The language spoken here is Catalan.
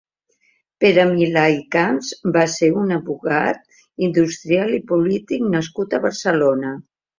Pere Milà i Camps va ser un advocat, industrial i polític nascut a Barcelona.